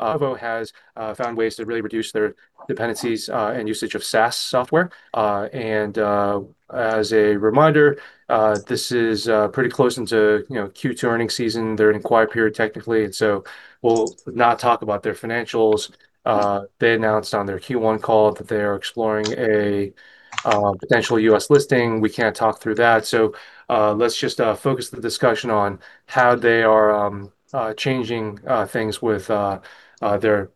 Otovo has found ways to really reduce their dependencies and usage of SaaS software. As a reminder, this is pretty close into Q2 earnings season. They're in a quiet period, technically. We'll not talk about their financials. They announced on their Q1 call that they are exploring a potential U.S. listing. We can't talk through that. Let's just focus the discussion on how they are changing things with their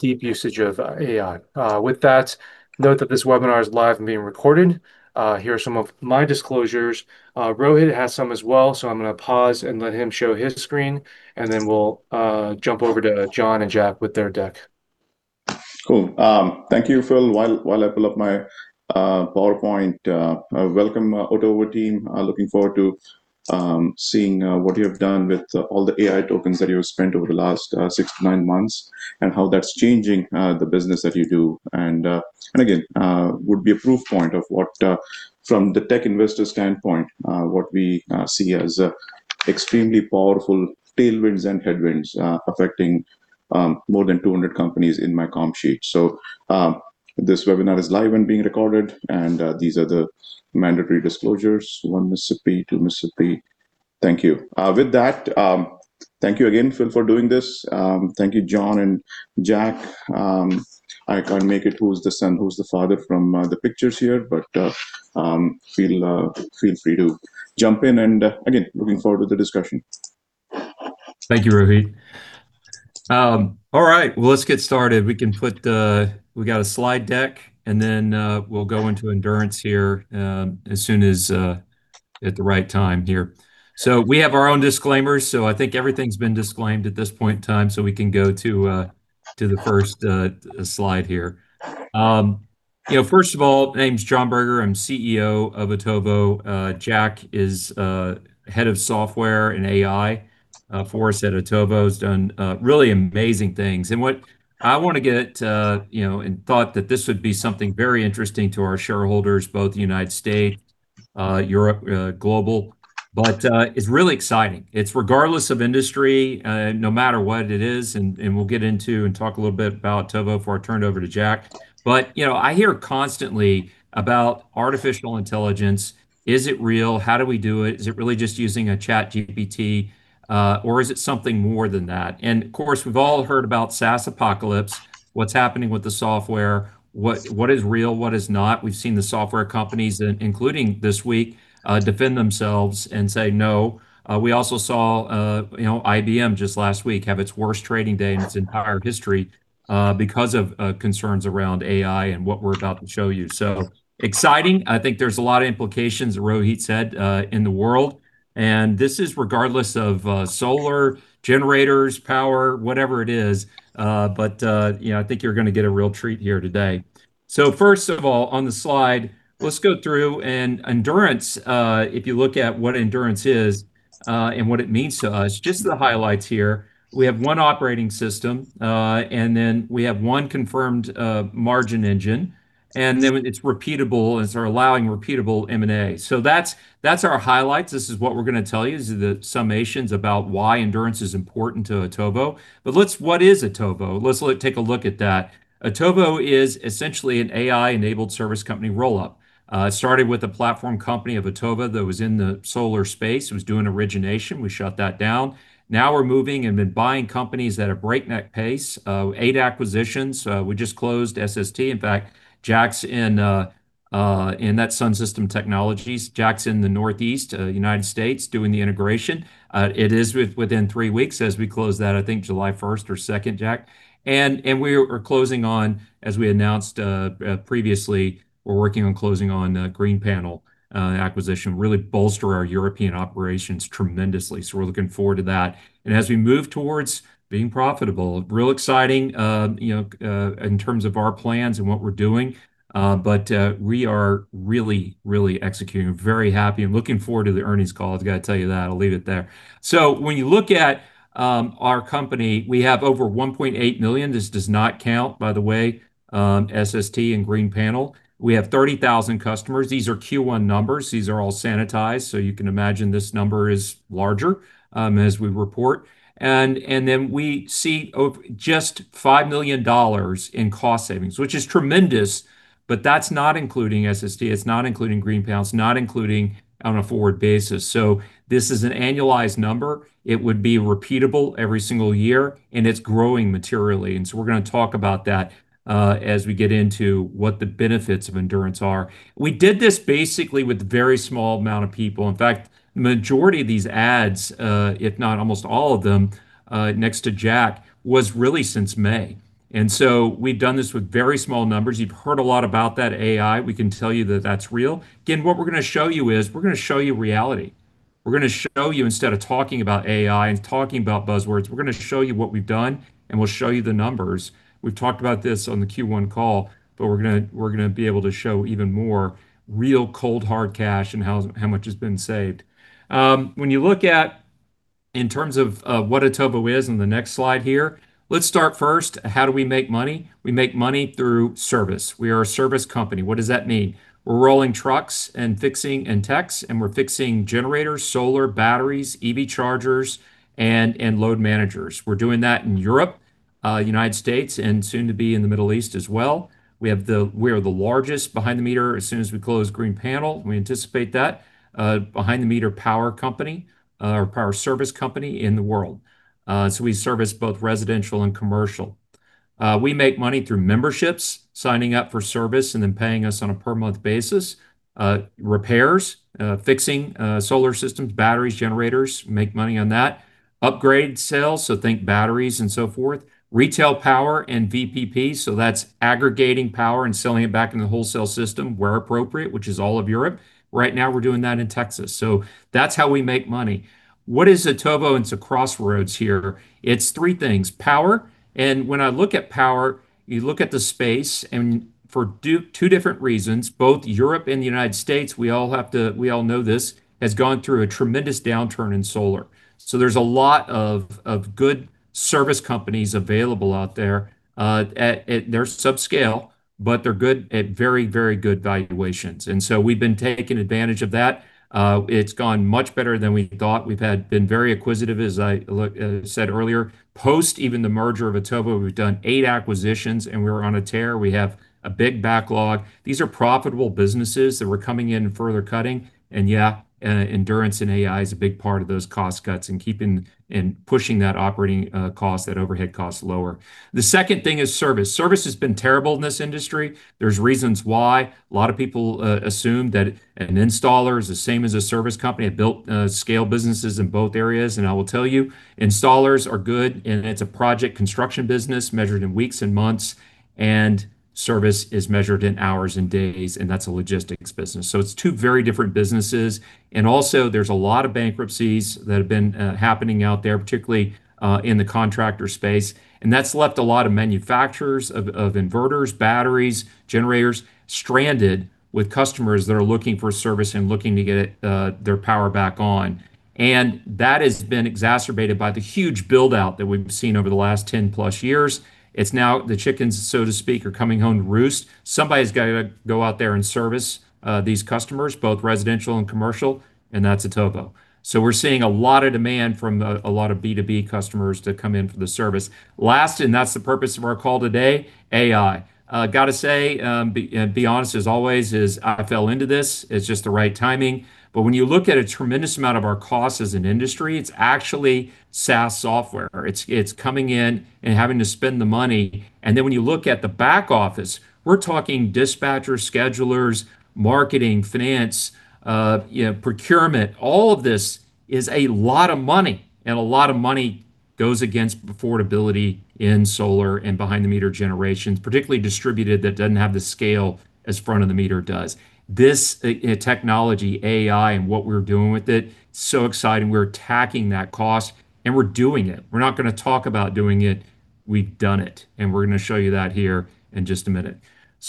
deep usage of AI. With that, note that this webinar is live and being recorded. Here are some of my disclosures. Rohit has some as well. I'm going to pause and let him show his screen, and then we'll jump over to John and Jack with their deck. Cool. Thank you, Phil. While I pull up my PowerPoint, welcome, Otovo team. Looking forward to seeing what you have done with all the AI tokens that you have spent over the last six to nine months, and how that's changing the business that you do. Again, would be a proof point of what, from the tech investor standpoint, what we see as extremely powerful tailwinds and headwinds affecting more than 200 companies in my comp sheet. This webinar is live and being recorded. These are the mandatory disclosures. One Mississippi, two Mississippi. Thank you. With that, thank you again, Phil, for doing this. Thank you, John and Jack. I can't make it who's the son, who's the father from the pictures here, but feel free to jump in. Again, looking forward to the discussion. Thank you, Rohit. All right. Let's get started. We've got a slide deck. Then we'll go into Endurance here at the right time here. We have our own disclaimers. I think everything's been disclaimed at this point in time. We can go to the first slide here. First of all, name's John Berger. I'm CEO of Otovo. Jack is Head of Software and AI for us at Otovo, has done really amazing things. What I want to get to and thought that this would be something very interesting to our shareholders, both the U.S., Europe, global. It's really exciting. It's regardless of industry, no matter what it is. We'll get into and talk a little bit about Otovo before I turn it over to Jack. I hear constantly about artificial intelligence. Is it real? How do we do it? Is it really just using a ChatGPT, or is it something more than that? Of course, we've all heard about SaaS apocalypse, what's happening with the software, what is real, what is not. We've seen the software companies, including this week, defend themselves and say no. We also saw IBM just last week have its worst trading day in its entire history because of concerns around AI and what we're about to show you. Exciting. I think there's a lot of implications, Rohit said, in the world. This is regardless of solar, generators, power, whatever it is. I think you're going to get a real treat here today. First of all, on the slide, let's go through and Endurance, if you look at what Endurance is and what it means to us, just the highlights here. We have one operating system. We have one confirmed margin engine. It's repeatable, allowing repeatable M&A. That's our highlights. This is what we're going to tell you. These are the summations about why Endurance is important to Otovo. What is Otovo? Let's take a look at that. Otovo is essentially an AI-enabled service company roll-up. It started with a platform company of Otovo that was in the solar space. It was doing origination. We shut that down. Now we're moving and have been buying companies at a breakneck pace. Eight acquisitions. We just closed SST. In fact, Jack's in that SunSystem Technology. Jack's in the Northeast U.S. doing the integration. It is within three weeks as we close that, I think July 1st or 2nd, Jack. We are closing on, as we announced previously, we're working on closing on Green Panel acquisition. Really bolster our European operations tremendously. We're looking forward to that. As we move towards being profitable, real exciting in terms of our plans and what we're doing. We are really, really executing. Very happy and looking forward to the earnings call. I've got to tell you that. I'll leave it there. When you look at our company, we have over 1.8 million. This does not count, by the way, SST and Green Panel. We have 30,000 customers. These are Q1 numbers. These are all sanitized, so you can imagine this number is larger as we report. We see just $5 million in cost savings, which is tremendous. That's not including SST, it's not including Green Panel. It's not including on a forward basis. This is an annualized number. It would be repeatable every single year. It's growing materially. We're going to talk about that as we get into what the benefits of Endurance are. We did this basically with a very small amount of people. In fact, majority of these adds, if not almost all of them, next to Jack, was really since May. We've done this with very small numbers. You've heard a lot about that AI. We can tell you that that's real. Again, what we're going to show you is we're going to show you reality. We're going to show you instead of talking about AI and talking about buzzwords, we're going to show you what we've done, and we'll show you the numbers. We've talked about this on the Q1 call. We're going to be able to show even more real cold, hard cash and how much has been saved. When you look at in terms of what Otovo is in the next slide here, let's start first, how do we make money? We make money through service. We are a service company. What does that mean? We're rolling trucks and fixing and techs, and we're fixing generators, solar, batteries, EV chargers, and load managers. We're doing that in Europe, U.S. and soon to be in the Middle East as well. We are the largest behind the meter, as soon as we close Green Panel, we anticipate that, behind the meter power company or power service company in the world. We service both residential and commercial. We make money through memberships, signing up for service, and then paying us on a per month basis. Repairs, fixing solar systems, batteries, generators, make money on that. Upgrade sales, so think batteries and so forth. Retail power and VPP, so that's aggregating power and selling it back in the wholesale system where appropriate, which is all of Europe. Right now, we're doing that in Texas. That's how we make money. What is Otovo? It's a crossroads here. It's three things, power, and when I look at power, you look at the space, and for two different reasons, both Europe and the United States, we all know this, has gone through a tremendous downturn in solar. There's a lot of good service companies available out there. They're subscale, but they're good at very good valuations. We've been taking advantage of that. It's gone much better than we thought. We've been very acquisitive, as I said earlier. Post even the merger of Otovo, we've done eight acquisitions, and we're on a tear. We have a big backlog. These are profitable businesses that we're coming in and further cutting, and Endurance in AI is a big part of those cost cuts and pushing that operating cost, that overhead cost lower. The second thing is service. Service has been terrible in this industry. There's reasons why a lot of people assume that an installer is the same as a service company. I built scale businesses in both areas, and I will tell you, installers are good, and it's a project construction business measured in weeks and months, and service is measured in hours and days, and that's a logistics business. It's two very different businesses. Also, there's a lot of bankruptcies that have been happening out there, particularly in the contractor space. That's left a lot of manufacturers of inverters, batteries, generators, stranded with customers that are looking for service and looking to get their power back on. That has been exacerbated by the huge build-out that we've seen over the last 10 plus years. It's now the chickens, so to speak, are coming home to roost. Somebody's got to go out there and service these customers, both residential and commercial, and that's Otovo. We're seeing a lot of demand from a lot of B2B customers to come in for the service. Last, that's the purpose of our call today, AI. Got to say, be honest as always, I fell into this. It's just the right timing. When you look at a tremendous amount of our costs as an industry, it's actually SaaS software. It's coming in and having to spend the money. Then when you look at the back office, we're talking dispatchers, schedulers, marketing, finance, procurement. All of this is a lot of money. A lot of money goes against affordability in solar and behind the meter generations, particularly distributed that doesn't have the scale as front of the meter does. This technology, AI, and what we're doing with it, so exciting. We're attacking that cost and we're doing it. We're not going to talk about doing it. We've done it, and we're going to show you that here in just a minute.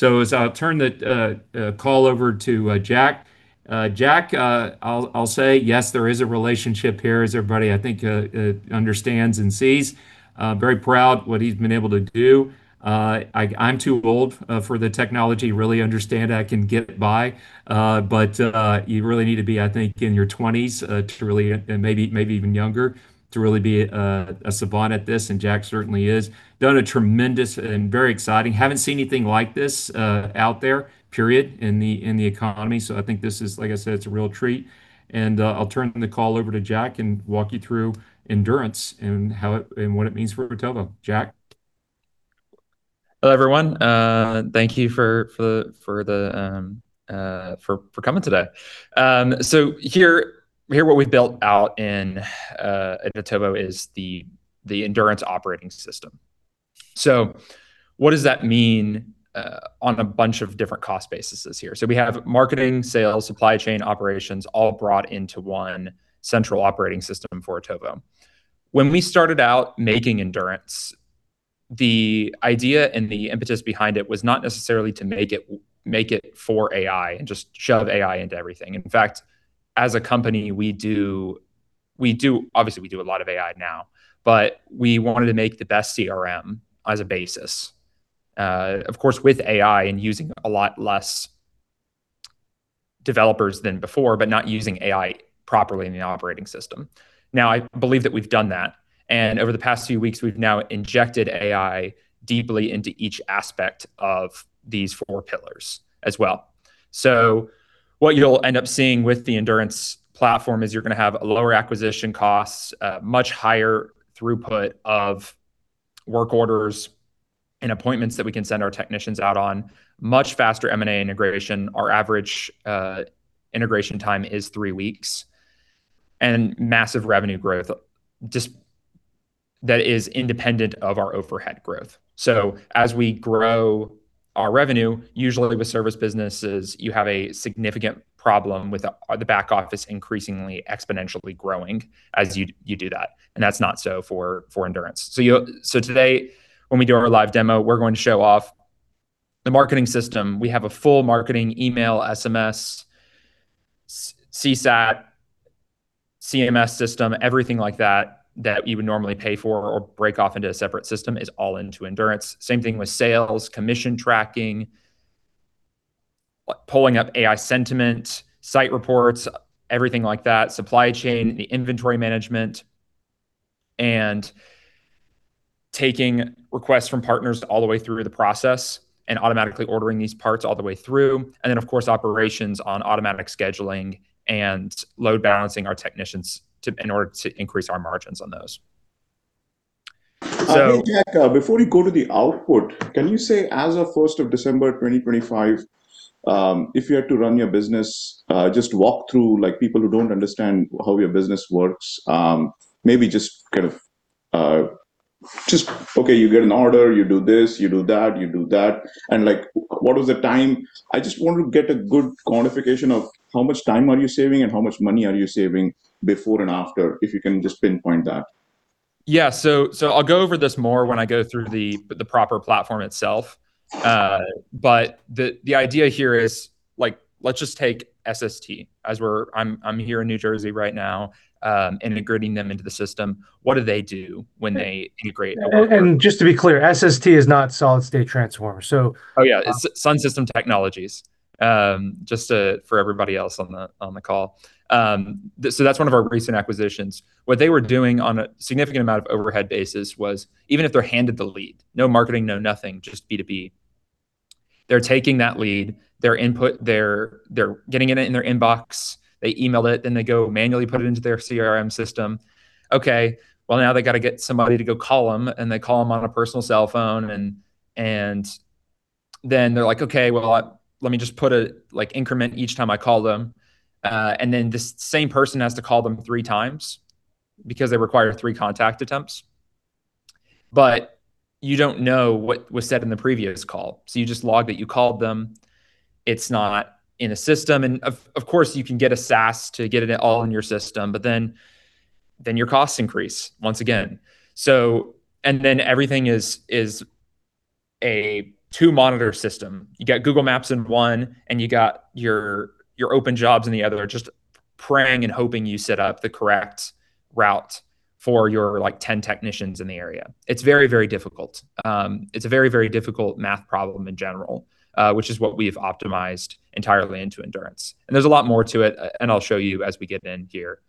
As I'll turn the call over to Jack. Jack, I'll say yes, there is a relationship here as everybody I think understands and sees. Very proud what he's been able to do. I'm too old for the technology really understand. I can get by. You really need to be, I think, in your 20s and maybe even younger to really be a savant at this, and Jack certainly is. Done a tremendous and very exciting. Haven't seen anything like this out there, period, in the economy. I think this is, like I said, it's a real treat. I'll turn the call over to Jack and walk you through Endurance and what it means for Otovo. Jack? Hello, everyone. Thank you for coming today. Here what we've built out in Otovo is the Endurance operating system. What does that mean on a bunch of different cost bases here? We have marketing, sales, supply chain operations all brought into one central operating system for Otovo. When we started out making Endurance, the idea and the impetus behind it was not necessarily to make it for AI and just shove AI into everything. In fact, as a company, obviously we do a lot of AI now, but we wanted to make the best CRM as a basis. Of course, with AI and using a lot less developers than before but not using AI properly in the operating system. I believe that we've done that, and over the past few weeks, we've now injected AI deeply into each aspect of these four pillars as well. What you'll end up seeing with the Endurance platform is you're going to have lower acquisition costs, much higher throughput of work orders and appointments that we can send our technicians out on, much faster M&A integration. Our average integration time is three weeks. Massive revenue growth that is independent of our overhead growth. As we grow our revenue, usually with service businesses, you have a significant problem with the back office increasingly exponentially growing as you do that. That's not so for Endurance. Today when we do our live demo, we're going to show off the marketing system. We have a full marketing email, SMS, CSAT, CMS system, everything like that you would normally pay for or break off into a separate system is all into Endurance. Same thing with sales, commission tracking pulling up AI sentiment, site reports, everything like that, supply chain, the inventory management, taking requests from partners all the way through the process and automatically ordering these parts all the way through. Of course, operations on automatic scheduling and load balancing our technicians in order to increase our margins on those. Hey, Jack, before you go to the output, can you say as of 1st of December 2025, if you had to run your business, just walk through like people who don't understand how your business works, maybe just okay, you get an order, you do this, you do that, you do that. What was the time? I just want to get a good quantification of how much time are you saving and how much money are you saving before and after, if you can just pinpoint that. Yeah. I'll go over this more when I go through the proper platform itself. The idea here is let's just take SST, as I'm here in New Jersey right now, integrating them into the system. What do they do when they integrate? Just to be clear, SST is not solid state transformer. Oh, yeah. It's SunSystem Technology, just for everybody else on the call. That's one of our recent acquisitions. What they were doing on a significant amount of overhead basis was even if they're handed the lead, no marketing, no nothing, just B2B, they're taking that lead, they're getting it in their inbox, they email it. They go manually put it into their CRM system. Okay, well, now they got to get somebody to go call them. They call them on a personal cell phone. They're like, "Okay, well, let me just put a increment each time I call them." The same person has to call them three times because they require three contact attempts. You don't know what was said in the previous call, so you just log that you called them. It's not in a system. Of course, you can get a SaaS to get it all in your system, then your costs increase once again. Then everything is a two-monitor system. You got Google Maps in one, and you got your open jobs in the other, just praying and hoping you set up the correct route for your 10 technicians in the area. It's very, very difficult. It's a very, very difficult math problem in general, which is what we've optimized entirely into Endurance. There's a lot more to it, and I'll show you as we get in here.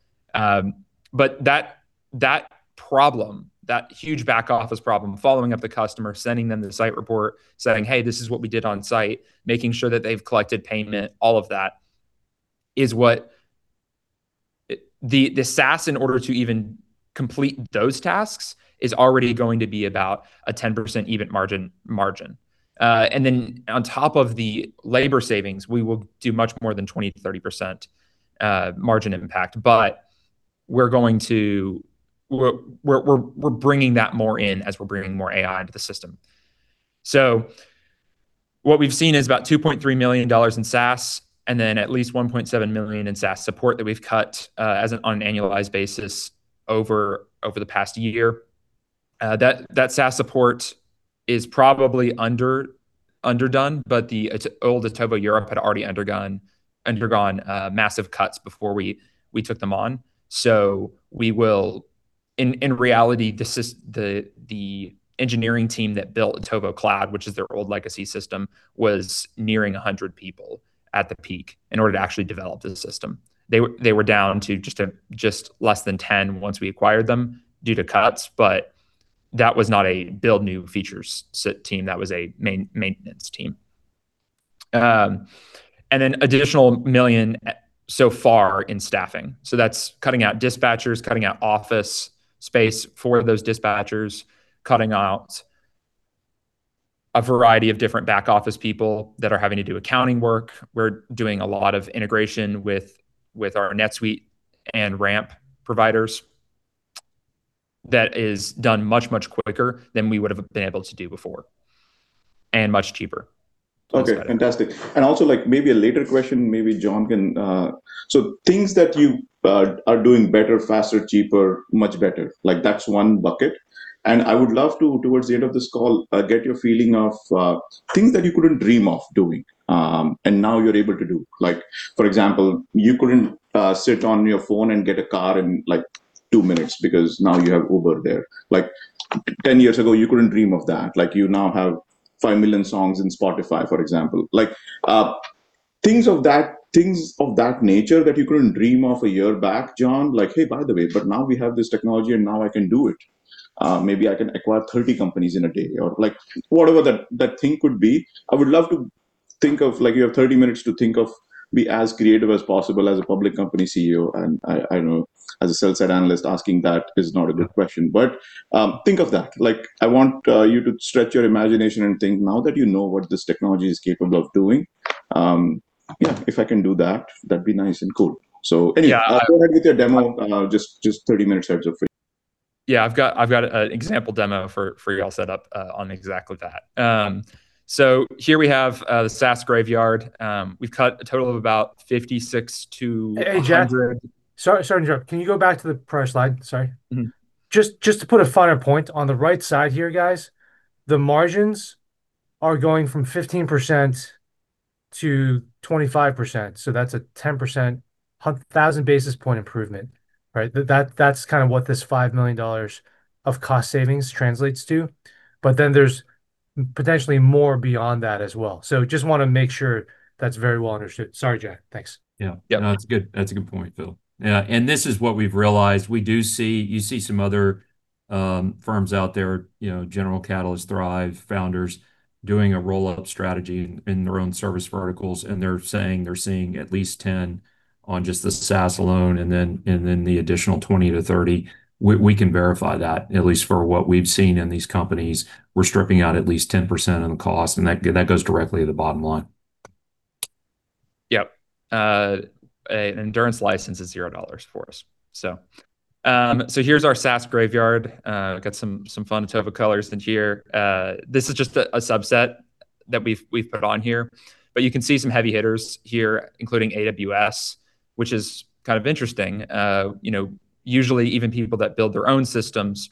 That problem, that huge back-office problem, following up the customer, sending them the site report, saying, "Hey, this is what we did on site," making sure that they've collected payment, all of that is what the SaaS, in order to even complete those tasks, is already going to be about a 10% even margin. On top of the labor savings, we will do much more than 20%-30% margin impact. We're bringing that more in as we're bringing more AI into the system. What we've seen is about $2.3 million in SaaS and at least $1.7 million in SaaS support that we've cut on an annualized basis over the past year. That SaaS support is probably underdone, but the old Otovo Europe had already undergone massive cuts before we took them on. In reality, the engineering team that built Otovo Cloud, which is their old legacy system, was nearing 100 people at the peak in order to actually develop the system. They were down to just less than 10 once we acquired them due to cuts, but that was not a build new features team, that was a maintenance team. An additional million so far in staffing. That's cutting out dispatchers, cutting out office space for those dispatchers, cutting out a variety of different back-office people that are having to do accounting work. We're doing a lot of integration with our NetSuite and Ramp providers that is done much, much quicker than we would've been able to do before, and much cheaper. Okay, fantastic. Also maybe a later question, maybe John. Things that you are doing better, faster, cheaper, much better. That's one bucket, and I would love to, towards the end of this call, get your feeling of things that you couldn't dream of doing and now you're able to do. For example, you couldn't sit on your phone and get a car in two minutes because now you have Uber there. 10 years ago, you couldn't dream of that. You now have 5 million songs in Spotify, for example. Things of that nature that you couldn't dream of a year back, John, like, "Hey, by the way, now we have this technology and now I can do it." Maybe I can acquire 30 companies in a day or whatever that thing could be. I would love to think of like you have 30 minutes to think of, be as creative as possible as a public company CEO. I know as a sell-side analyst asking that is not a good question, but think of that. I want you to stretch your imagination and think now that you know what this technology is capable of doing. Yeah, if I can do that'd be nice and cool. Anyway, go ahead with your demo. Just 30 minutes ahead of you. Yeah. I've got an example demo for y'all set up on exactly that. Here we have the SaaS graveyard. We've cut a total of about 56 to 100- Hey, Jack. Sorry to interrupt. Can you go back to the prior slide? Sorry. Just to put a finer point, on the right side here, guys, the margins are going from 15%-25%, that's a 10% 1,000 basis point improvement, right? That's kind of what this $5 million of cost savings translates to. There's potentially more beyond that as well. Just want to make sure that's very well understood. Sorry, Jack. Thanks. Yeah. No, that's good. That's a good point, Phil. This is what we've realized. We do see some other firms out there, General Catalyst, Thrive, Founders, doing a roll-up strategy in their own service verticals, and they're saying they're seeing at least 10% on just the SaaS alone, and then the additional 20%-30%. We can verify that, at least for what we've seen in these companies. We're stripping out at least 10% of the cost, and that goes directly to the bottom line. Yep. An Endurance license is $0 for us. Here's our SaaS graveyard. Got some fun Otovo colors in here. This is just a subset that we've put on here. But you can see some heavy hitters here, including AWS, which is kind of interesting. Usually, even people that build their own systems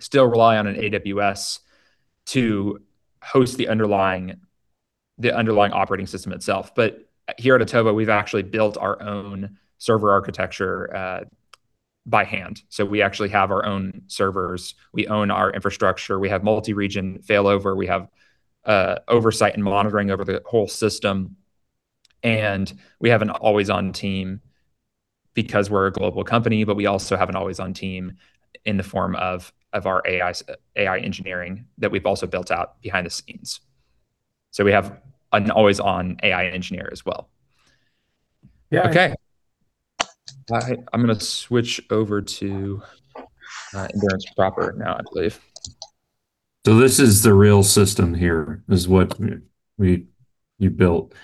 still rely on an AWS to host the underlying operating system itself. But here at Otovo, we've actually built our own server architecture by hand. We actually have our own servers, we own our infrastructure, we have multi-region failover, we have oversight and monitoring over the whole system, and we have an always-on team because we're a global company, but we also have an always-on team in the form of our AI engineering that we've also built out behind the scenes. We have an always-on AI engineer as well. Yeah. Okay. I'm going to switch over to Endurance proper now, I believe. This is the real system here, is what you built.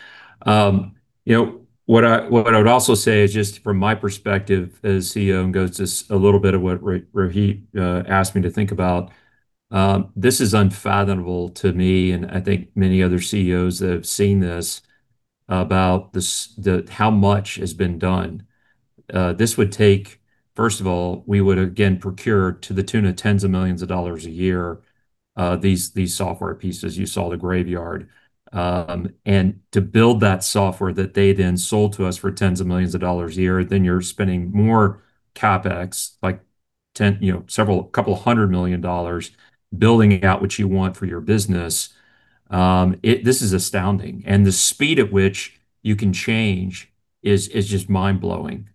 What I would also say is just from my perspective as CEO and goes to a little bit of what Rohit asked me to think about, this is unfathomable to me, and I think many other CEOs that have seen this about how much has been done. This would take, first of all, we would again procure to the tune of tens of millions of dollars a year, these software pieces. You saw the graveyard. To build that software that they then sold to us for tens of millions of dollars a year, you're spending more CapEx, like couple of hundred million dollars building out what you want for your business. This is astounding. The speed at which you can change is just mind-blowing.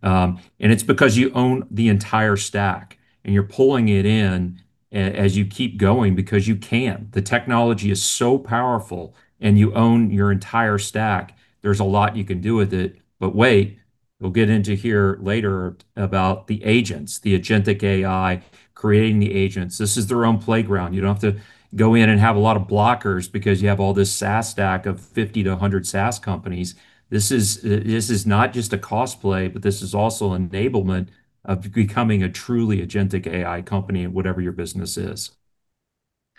It's because you own the entire stack and you're pulling it in as you keep going because you can. The technology is so powerful and you own your entire stack. There's a lot you can do with it. Wait, we'll get into here later about the agents, the agentic AI creating the agents. This is their own playground. You don't have to go in and have a lot of blockers because you have all this SaaS stack of 50 to 100 SaaS companies. This is not just a cost play, but this is also enablement of becoming a truly agentic AI company in whatever your business is.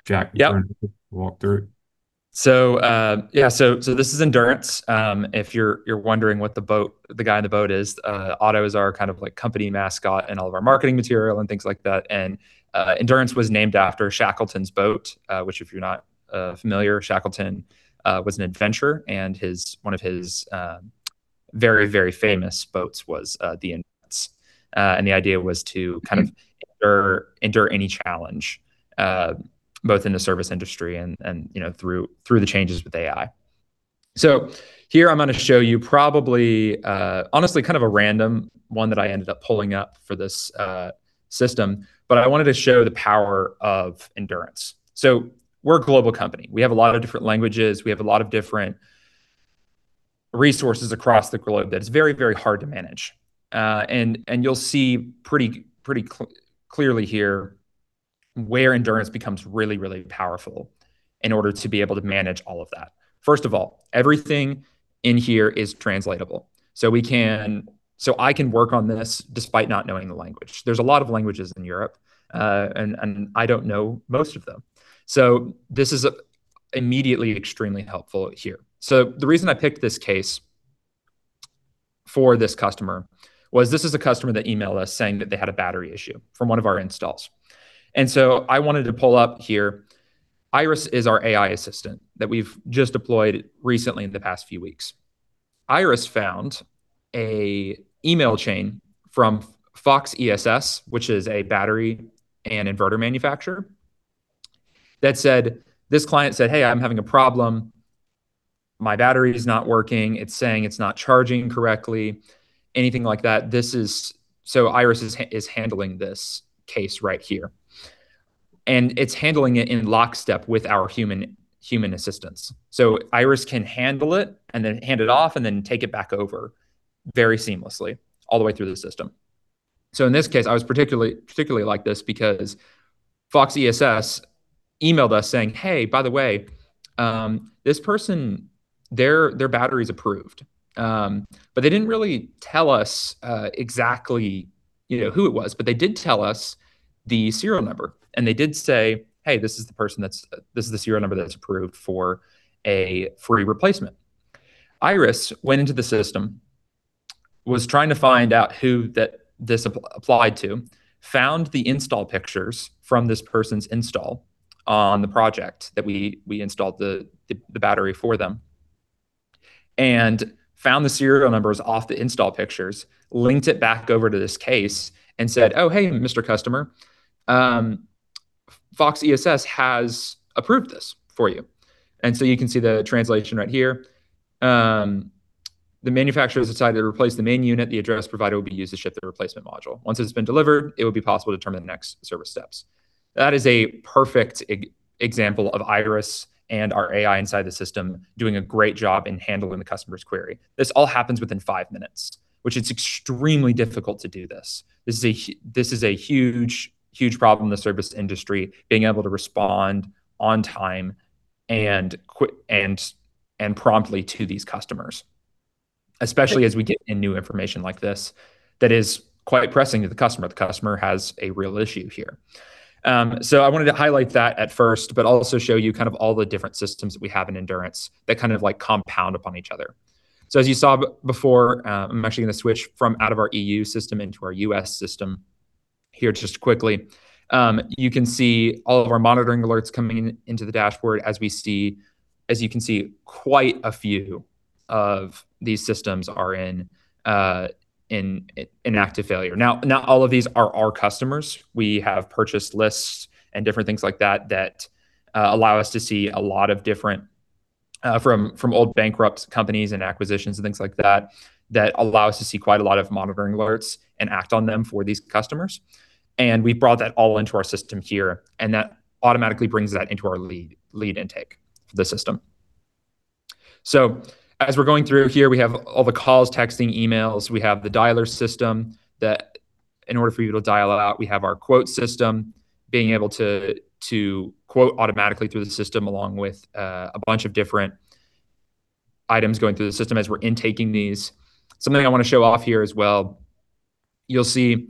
Jack Yep Do you want to walk through? This is Endurance. If you're wondering what the guy in the boat is, Otto is our company mascot in all of our marketing material and things like that. Endurance was named after Shackleton's boat, which if you're not familiar, Shackleton was an adventurer and one of his very, very famous boats was the Endurance. The idea was to kind of endure any challenge, both in the service industry and through the changes with AI. Here I'm going to show you probably, honestly kind of a random one that I ended up pulling up for this system. I wanted to show the power of Endurance. We're a global company. We have a lot of different languages; we have a lot of different resources across the globe that it's very hard to manage. You'll see pretty clearly here where Endurance becomes really powerful in order to be able to manage all of that. First of all, everything in here is translatable. I can work on this despite not knowing the language. There's a lot of languages in Europe, I don't know most of them. This is immediately extremely helpful here. The reason I picked this case for this customer was this is a customer that emailed us saying that they had a battery issue from one of our installs. I wanted to pull up here. Iris is our AI assistant that we've just deployed recently in the past few weeks. Iris found an email chain from FoxESS, which is a battery and inverter manufacturer, that said, this client said, "Hey, I'm having a problem. My battery is not working. It's saying it's not charging correctly. Anything like that. Iris is handling this case right here. It's handling it in lockstep with our human assistants. Iris can handle it and then hand it off and then take it back over very seamlessly all the way through the system. In this case, I particularly like this because FoxESS emailed us saying, "Hey, by the way, this person, their battery's approved." They didn't really tell us exactly who it was. They did tell us the serial number. They did say, "Hey, this is the serial number that's approved for a free replacement." Iris went into the system, was trying to find out who this applied to, found the install pictures from this person's install on the project that we installed the battery for them and found the serial numbers off the install pictures, linked it back over to this case and said, "Oh, hey, Mr. Customer, FoxESS has approved this for you." You can see the translation right here. The manufacturer's decided to replace the main unit. The address provided will be used to ship the replacement module. Once it's been delivered, it will be possible to determine the next service steps. That is a perfect example of Iris and our AI inside the system doing a great job in handling the customer's query. This all happens within five minutes, which it's extremely difficult to do this. This is a huge problem in the service industry, being able to respond on time and promptly to these customers, especially as we get in new information like this that is quite pressing to the customer. The customer has a real issue here. I wanted to highlight that at first, also show you all the different systems that we have in Endurance that compound upon each other. As you saw before, I'm actually going to switch from out of our EU system into our U.S. system here just quickly. You can see all of our monitoring alerts coming into the dashboard, quite a few of these systems are in active failure. Not all of these are our customers. We have purchase lists and different things like that that allow us to see a lot of different, from old bankrupt companies and acquisitions and things like that allow us to see quite a lot of monitoring alerts and act on them for these customers. We brought that all into our system here. That automatically brings that into our lead intake for the system. As we're going through here, we have all the calls, texting, emails. We have the dialer system that in order for you to dial out, we have our quote system being able to quote automatically through the system, along with a bunch of different items going through the system as we're intaking these. Something I want to show off here as well. You'll see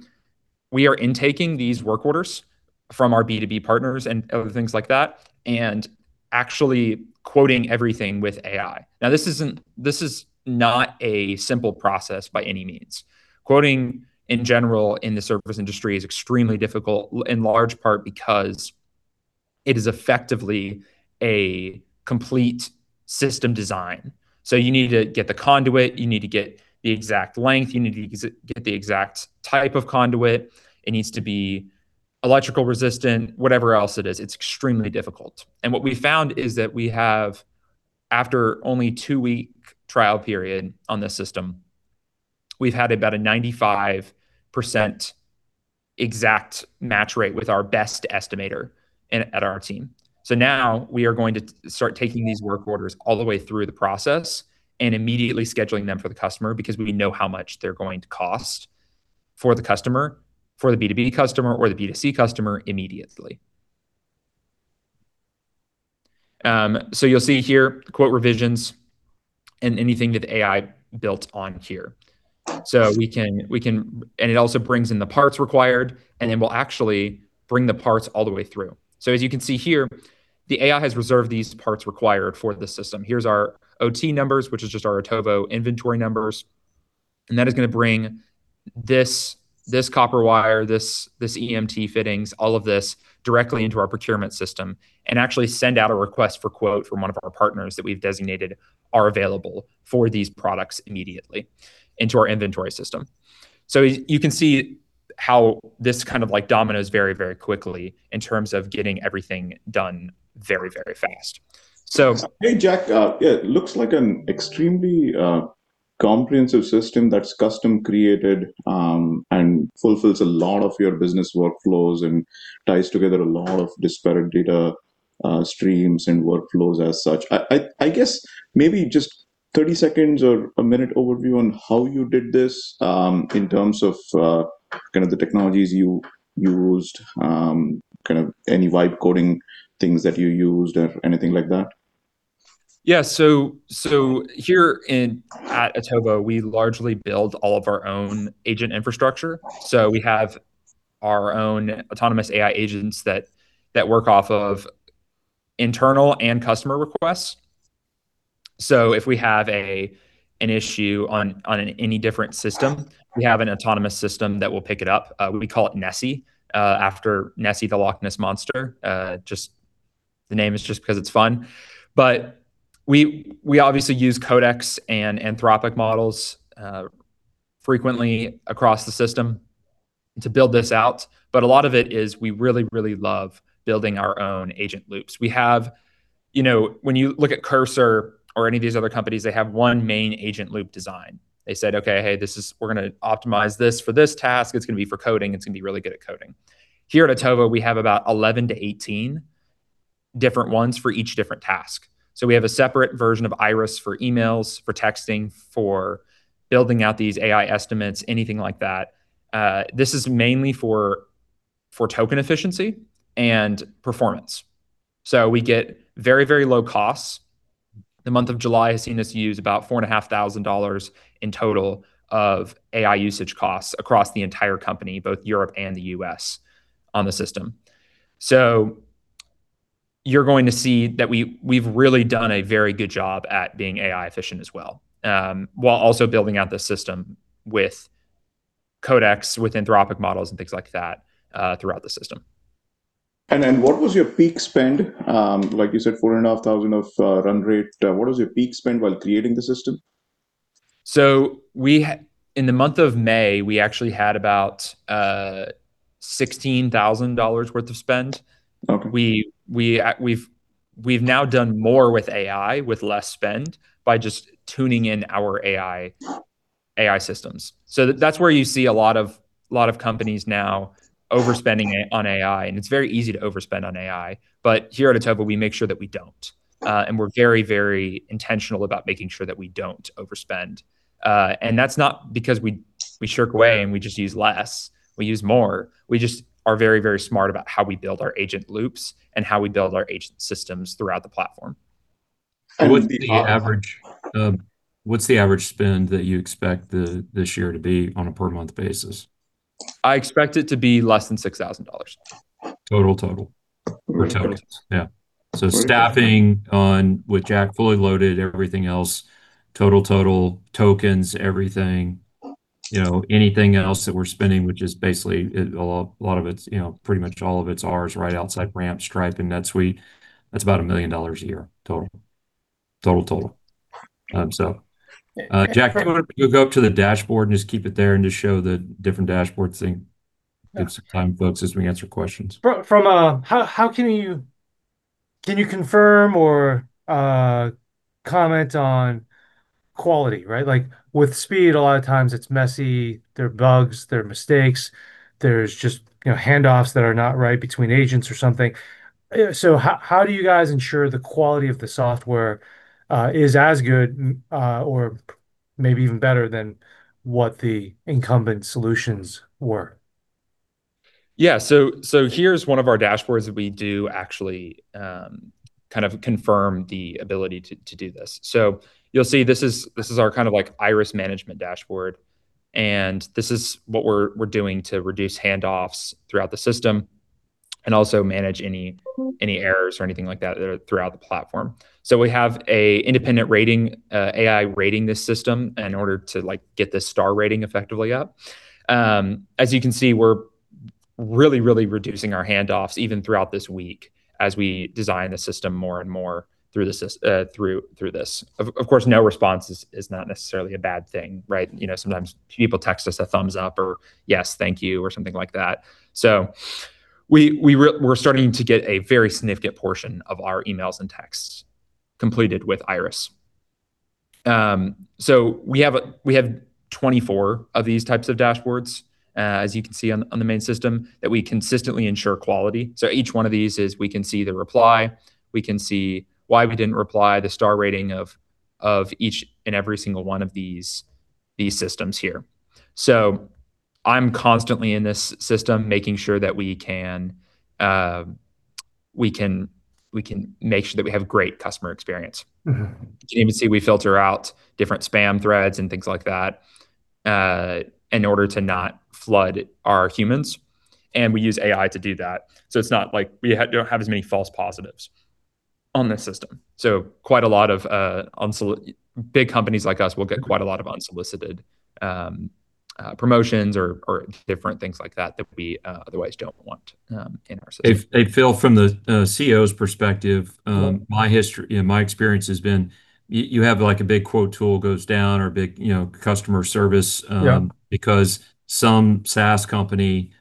we are intaking these work orders from our B2B partners and other things like that and actually quoting everything with AI. This is not a simple process by any means. Quoting in general in the service industry is extremely difficult, in large part because it is effectively a complete system design. You need to get the conduit. You need to get the exact length. You need to get the exact type of conduit. It needs to be electrical resistant, whatever else it is. It's extremely difficult. And what we've found is that we have, after only a two-week trial period on this system, we've had about a 95% exact match rate with our best estimator at our team. Now we are going to start taking these work orders all the way through the process and immediately scheduling them for the customer because we know how much they're going to cost for the customer, for the B2B customer or the B2C customer immediately. You'll see here quote revisions and anything that AI built on here. It also brings in the parts required, and then we'll actually bring the parts all the way through. As you can see here, the AI has reserved these parts required for this system. Here's our OT numbers, which is just our Otovo inventory numbers, and that is going to bring this copper wire, this EMT fittings, all of this directly into our procurement system and actually send out a request for quote from one of our partners that we've designated are available for these products immediately into our inventory system. You can see how this dominoes very quickly in terms of getting everything done very fast. Hey, Jack. It looks like an extremely comprehensive system that's custom created, fulfills a lot of your business workflows and ties together a lot of disparate data streams and workflows as such. I guess maybe just 30 seconds or a minute overview on how you did this, in terms of the technologies you used, any vibe-coding things that you used or anything like that? Yeah. Here at Otovo, we largely build all of our own agent infrastructure. We have our own autonomous AI agents that work off of internal and customer requests. If we have an issue on any different system, we have an autonomous system that will pick it up. We call it Nessie, after Nessie the Loch Ness monster. The name is just because it's fun. We obviously use Codex and Anthropic models frequently across the system to build this out. A lot of it is we really love building our own agent loops. When you look at Cursor or any of these other companies, they have one main agent loop design. They said, "Okay, hey, we're going to optimize this for this task. It's going to be for coding. It's going to be really good at coding." Here at Otovo, we have about 11-18 different ones for each different task. We have a separate version of Iris for emails, for texting, for building out these AI estimates, anything like that. This is mainly for token efficiency and performance. We get very low costs. The month of July has seen us use about $4,500 in total of AI usage costs across the entire company, both Europe and the U.S., on the system. You're going to see that we've really done a very good job at being AI efficient as well, while also building out this system with Codex with Anthropic models and things like that throughout the system. What was your peak spend? Like you said, $4,500 of run rate. What was your peak spend while creating the system? In the month of May, we actually had about $16,000 worth of spend. Okay. We've now done more with AI with less spend by just tuning in our AI systems. That's where you see a lot of companies now overspending on AI, it's very easy to overspend on AI. Here at Otovo, we make sure that we don't. We're very, very intentional about making sure that we don't overspend. That's not because we shirk away and we just use less. We use more. We just are very, very smart about how we build our agent loops and how we build our agent systems throughout the platform. What's the average spend that you expect this year to be on a per month basis? I expect it to be less than $6,000. Total? For totals. Yeah. Staffing on with Jack fully loaded, everything else, total tokens, everything. Anything else that we're spending, which is basically pretty much all of it's ours, right outside Ramp, Stripe, and NetSuite. That's about $1 million a year total. Jack, do you want to go up to the dashboard and just keep it there and just show the different dashboards thing? Give us some time, folks, as we answer questions. Can you confirm or comment on quality, right? With speed, a lot of times it's messy, there are bugs, there are mistakes. There's just handoffs that are not right between agents or something. How do you guys ensure the quality of the software is as good or maybe even better than what the incumbent solutions were? Yeah. Here's one of our dashboards that we do actually confirm the ability to do this. You'll see this is our Iris management dashboard, and this is what we're doing to reduce handoffs throughout the system and also manage any errors or anything like that throughout the platform. We have an independent AI rating this system in order to get the star rating effectively up. As you can see, we're really reducing our handoffs even throughout this week as we design the system more and more through this. Of course, no response is not necessarily a bad thing, right? Sometimes people text us a thumbs up or, "Yes, thank you," or something like that. We're starting to get a very significant portion of our emails and texts completed with Iris. We have 24 of these types of dashboards, as you can see on the main system, that we consistently ensure quality. Each one of these is, we can see the reply, we can see why we didn't reply, the star rating of each and every single one of these systems here. I'm constantly in this system making sure that we can make sure that we have great customer experience. You can even see we filter out different spam threads and things like that in order to not flood our humans, and we use AI to do that. It's not like we don't have as many false positives on this system. Quite a lot of big companies like us will get quite a lot of unsolicited promotions or different things like that that we otherwise don't want in our system. Hey, Phil, from the CEO's perspective. Yeah My experience has been, you have a big quote tool goes down or big customer service. Yeah because some SaaS company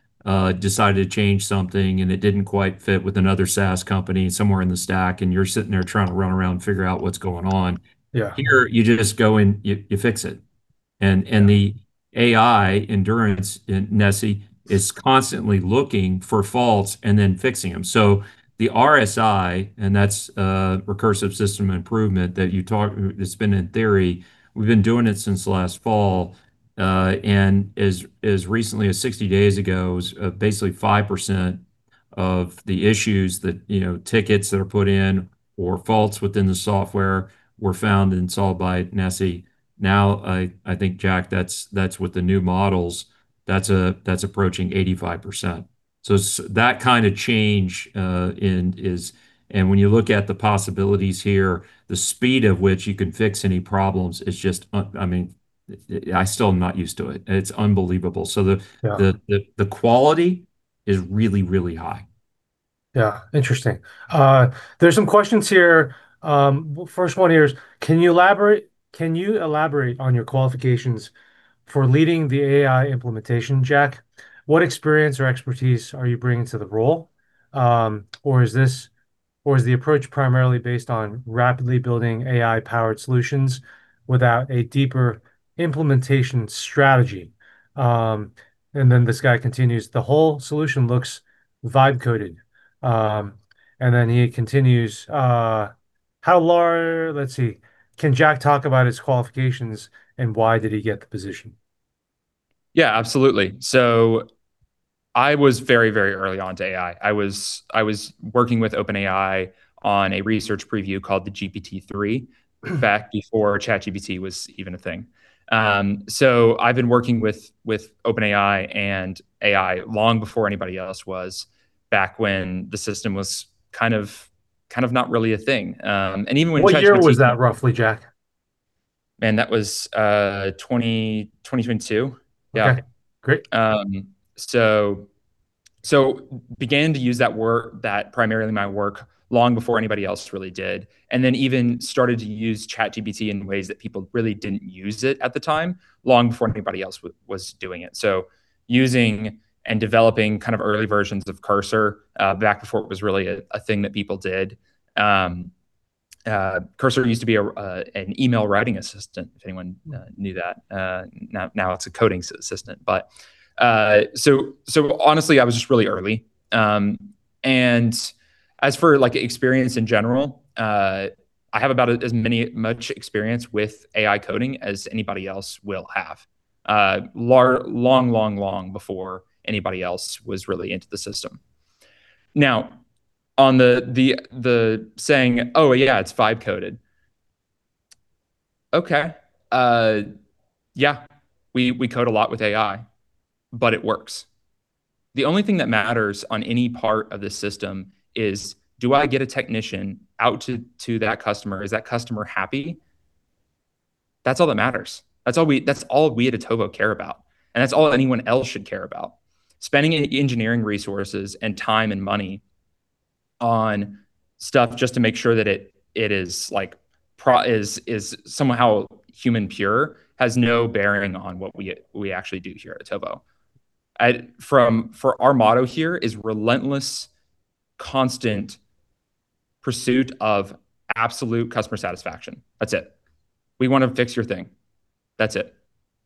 decided to change something, and it didn't quite fit with another SaaS company somewhere in the stack, and you're sitting there trying to run around and figure out what's going on. Yeah. Here, you just go in, you fix it. The AI Endurance in Nessie is constantly looking for faults and then fixing them. The RSI, and that's Recursive System Improvement that you talked, it's been in theory, we've been doing it since last fall. As recently as 60 days ago, it was basically 5% of the issues, the tickets that are put in or faults within the software were found and solved by Nessie. I think, Jack, that's with the new models, that's approaching 85%. That kind of change in. When you look at the possibilities here, the speed of which you can fix any problems is just, I still am not used to it. It's unbelievable. Yeah The quality is really high. Yeah. Interesting. There's some questions here. First one here is, can you elaborate on your qualifications for leading the AI implementation, Jack? What experience or expertise are you bringing to the role? Or is the approach primarily based on rapidly building AI-powered solutions without a deeper implementation strategy? This guy continues, "The whole solution looks vibe coding." He continues, let's see. "Can Jack talk about his qualifications and why did he get the position? Yeah, absolutely. I was very early onto AI. I was working with OpenAI on a research preview called the GPT-3 back before ChatGPT was even a thing. I've been working with OpenAI and AI long before anybody else was, back when the system was kind of not really a thing. What year was that roughly, Jack? Man, that was 2022. Yeah. Okay, great. Began to use that primarily in my work long before anybody else really did, and then even started to use ChatGPT in ways that people really didn't use it at the time, long before anybody else was doing it. Using and developing early versions of Cursor back before it was really a thing that people did. Cursor used to be an email writing assistant, if anyone knew that. Now it's a coding assistant. Honestly, I was just really early. As for experience in general, I have about as much experience with AI coding as anybody else will have, long before anybody else was really into the system. On the saying, "Oh, yeah, it's vibe-coded." Okay. Yeah. We code a lot with AI, but it works. The only thing that matters on any part of this system is do I get a technician out to that customer? Is that customer happy? That's all that matters. That's all we at Otovo care about, and that's all anyone else should care about. Spending engineering resources and time and money on stuff just to make sure that it is somehow human pure has no bearing on what we actually do here at Otovo. For our motto here is relentless, constant pursuit of absolute customer satisfaction. That's it. We want to fix your thing. That's it.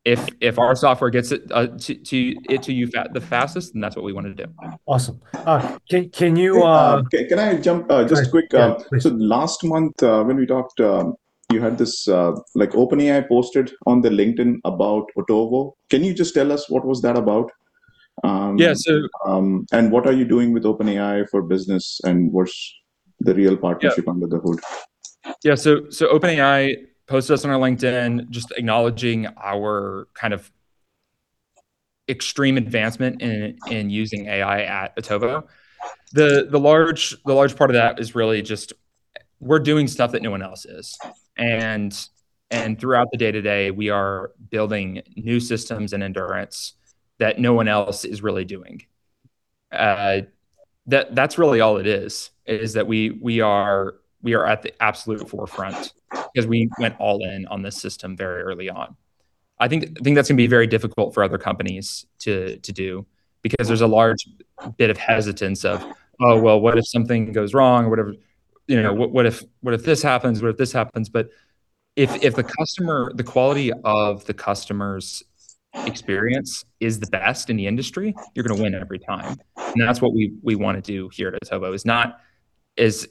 If our software gets it to you the fastest, then that's what we want to do. Awesome. Can you- Can I jump just quick? Yeah, please. last month when we talked, you had this OpenAI posted on the LinkedIn about Otovo. Can you just tell us what was that about? Yeah, so- What are you doing with OpenAI for business, and what's the real partnership under the hood? Yeah, OpenAI posted us on our LinkedIn, just acknowledging our extreme advancement in using AI at Otovo. The large part of that is really just we're doing stuff that no one else is. Throughout the day-to-day, we are building new systems and Endurance that no one else is really doing. That's really all it is that we are at the absolute forefront because we went all in on this system very early on. I think that's going to be very difficult for other companies to do because there's a large bit of hesitance of, oh, well, what if something goes wrong or whatever. What if this happens? If the quality of the customer's experience is the best in the industry, you're going to win every time. That's what we want to do here at Otovo is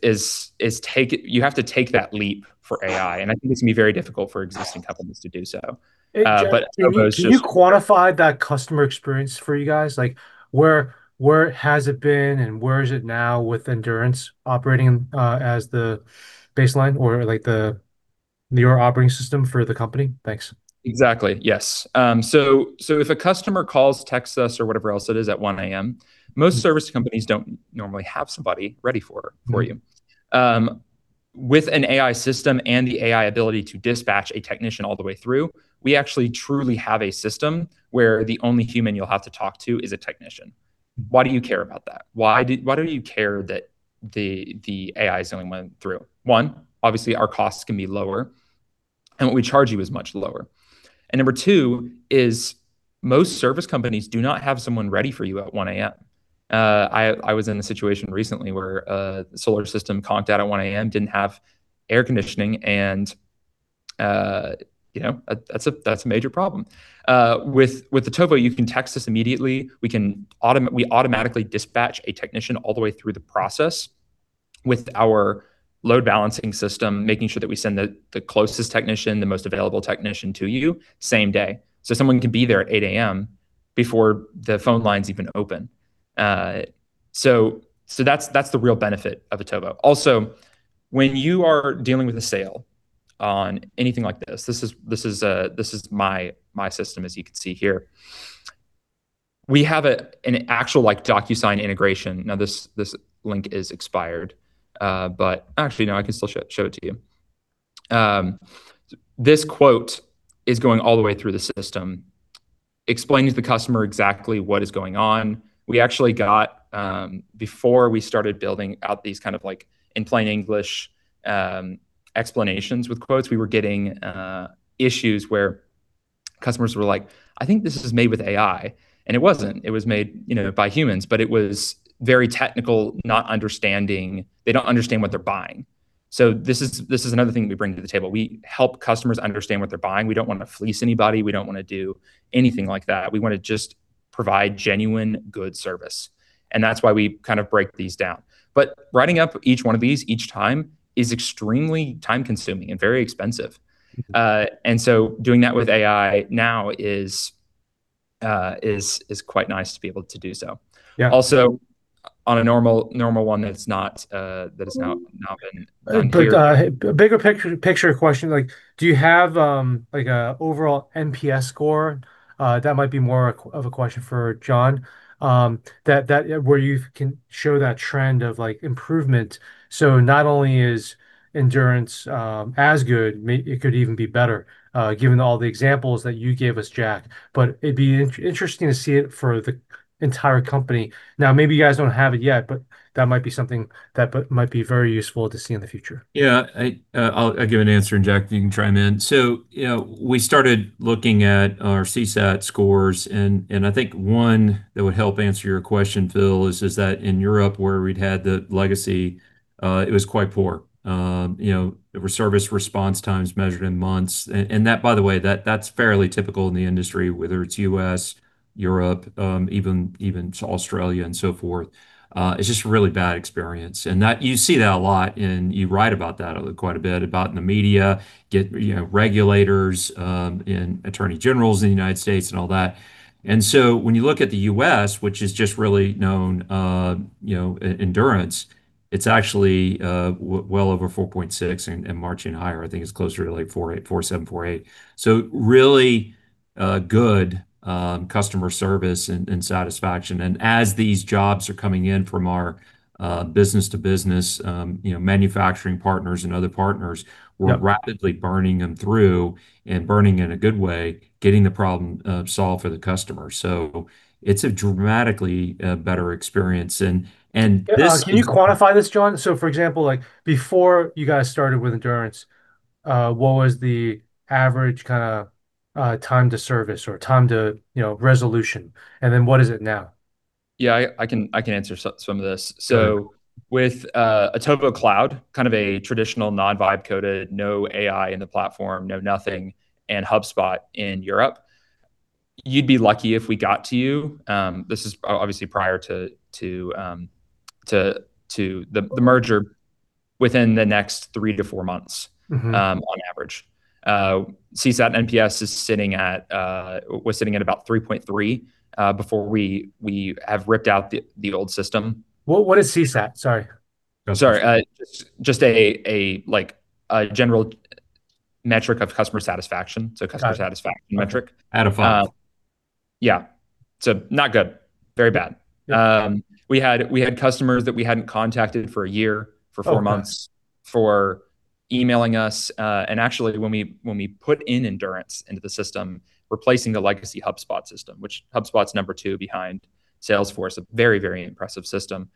you have to take that leap for AI. I think it's going to be very difficult for existing companies to do so. Hey, Jack, can you quantify that customer experience for you guys? Where has it been, and where is it now with Endurance operating as the baseline or the newer operating system for the company? Thanks. Exactly, yes. If a customer calls, texts us or whatever else it is at 1:00 A.M., most service companies don't normally have somebody ready for you. With an AI system and the AI ability to dispatch a technician all the way through, we actually truly have a system where the only human you'll have to talk to is a technician. Why do you care about that? Why do you care that the AI is the only one through? One, obviously our costs can be lower, and what we charge you is much lower. Number two is most service companies do not have someone ready for you at 1:00 A.M. I was in a situation recently where a solar system conked out at 1:00 A.M., didn't have air conditioning, and that's a major problem. With Otovo, you can text us immediately. We automatically dispatch a technician all the way through the process with our load balancing system, making sure that we send the closest technician, the most available technician to you same day. Someone can be there at 8:00 A.M. before the phone line's even open. That's the real benefit of Otovo. Also, when you are dealing with a sale on anything like this is my system, as you can see here. We have an actual DocuSign integration. Now this link is expired. Actually, no, I can still show it to you. This quote is going all the way through the system, explains to the customer exactly what is going on. We actually got, before we started building out these kind of in plain English explanations with quotes, we were getting issues where customers were like, "I think this is made with AI." It wasn't. It was made by humans, it was very technical, not understanding. They don't understand what they're buying. This is another thing that we bring to the table. We help customers understand what they're buying. We don't want to fleece anybody. We don't want to do anything like that. We want to just provide genuine, good service. That's why we break these down. Writing up each one of these each time is extremely time-consuming and very expensive. Doing that with AI now is quite nice to be able to do so. Yeah. Also, on a normal one that has not been impaired- A bigger picture question, do you have an overall NPS score? That might be more of a question for John. Where you can show that trend of improvement. Not only is Endurance as good, it could even be better, given all the examples that you gave us, Jack. It'd be interesting to see it for the entire company. Now, maybe you guys don't have it yet, but that might be something that might be very useful to see in the future. Yeah. I'll give an answer. Jack, you can chime in. We started looking at our CSAT scores. I think one that would help answer your question, Phil, is that in Europe, where we'd had the legacy, it was quite poor. The service response times measured in months. By the way, that's fairly typical in the industry, whether it's U.S., Europe, even Australia and so forth. It's just a really bad experience. You see that a lot. You write about that quite a bit, about in the media, regulators and attorney generals in the United States and all that. When you look at the U.S., which is just really known Endurance, it's actually well over 4.6 and marching higher. I think it's closer to 4.7, 4.8. Really good customer service and satisfaction. As these jobs are coming in from our business-to-business manufacturing partners and other partners. Yeah We're rapidly burning them through, burning in a good way, getting the problem solved for the customer. It's a dramatically better experience. Can you quantify this, John? For example, before you guys started with Endurance, what was the average time to service or time to resolution? What is it now? Yeah, I can answer some of this. Sure. With Otovo Cloud, a traditional non-vibe coding, no AI in the platform, no nothing, and HubSpot in Europe, you'd be lucky if we got to you, this is obviously prior to the merger, within the next three to four months. On average. CSAT NPS was sitting at about 3.3 before we have ripped out the old system. What is CSAT? Sorry. Sorry. Just a general metric of customer satisfaction, so customer- Got it satisfaction metric. Out of five. Yeah. Not good. Very bad. Yeah. We had customers that we hadn't contacted for a year, for four months. Okay. for emailing us. Actually, when we put in Endurance into the system, replacing the legacy HubSpot system, which HubSpot's number 2 behind Salesforce, a very impressive system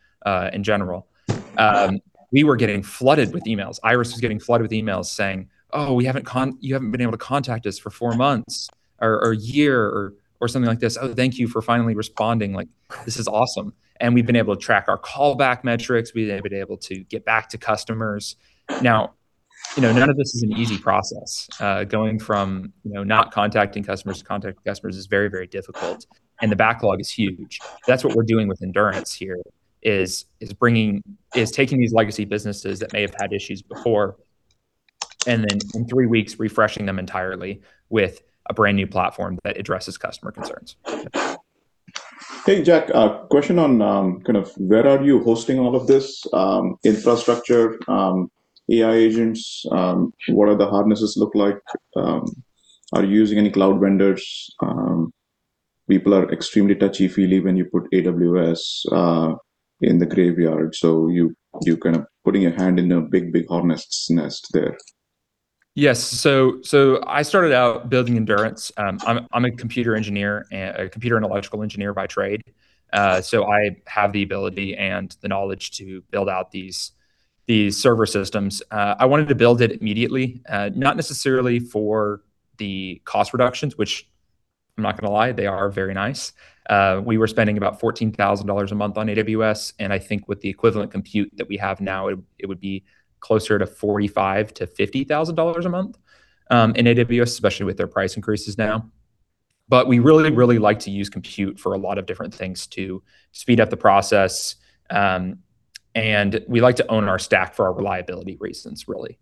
in general. We were getting flooded with emails. Iris was getting flooded with emails saying, "You haven't been able to contact us for four months," or a year, or something like this. "Thank you for finally responding. This is awesome." We've been able to track our callback metrics. We've been able to get back to customers. None of this is an easy process. Going from not contacting customers to contacting customers is very difficult, and the backlog is huge. That's what we're doing with Endurance here, is taking these legacy businesses that may have had issues before, and then in three weeks, refreshing them entirely with a brand-new platform that addresses customer concerns. Hey, Jack. A question on where are you hosting all of this infrastructure, AI agents, what are the hardnesses look like? Are you using any cloud vendors? People are extremely touchy feely when you put AWS in the graveyard, so you putting your hand in a big hornet's nest there. Yes. I started out building Endurance. I'm a computer engineer and electrical engineer by trade. I have the ability and the knowledge to build out these server systems. I wanted to build it immediately, not necessarily for the cost reductions, which I'm not going to lie, they are very nice. We were spending about $14,000 a month on AWS, I think with the equivalent compute that we have now, it would be closer to $45,000 to $50,000 a month in AWS, especially with their price increases now. We really like to use compute for a lot of different things to speed up the process. We like to own our stack for reliability reasons, really.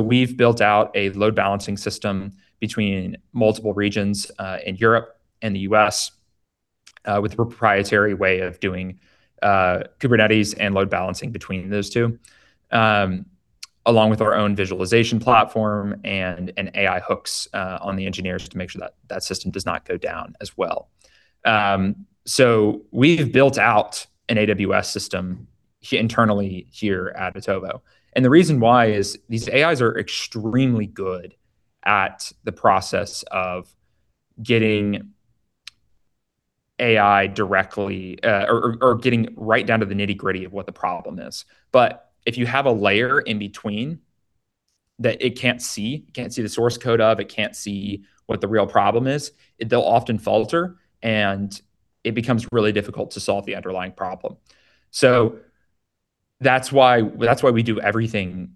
We've built out a load balancing system between multiple regions in Europe and the U.S. with a proprietary way of doing Kubernetes and load balancing between those two, along with our own visualization platform and AI hooks on the engineers to make sure that system does not go down as well. We've built out an AWS system internally here at Otovo. The reason why is these AIs are extremely good at the process of getting right down to the nitty-gritty of what the problem is. If you have a layer in between that it can't see the source code of, it can't see what the real problem is, they'll often falter, and it becomes really difficult to solve the underlying problem. That's why we do everything